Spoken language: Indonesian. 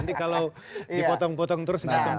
nanti kalau dipotong potong terus